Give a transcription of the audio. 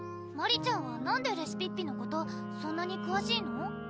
マリちゃんはなんでレシピッピのことそんなにくわしいの？